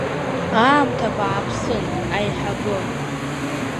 Аамҭа бааԥсын, аиҳабы.